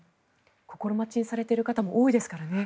心待ちにされている方も多いですからね。